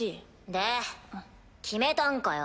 で決めたんかよ？